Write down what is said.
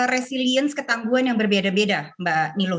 resilience ketangguan yang berbeda beda mbak nilo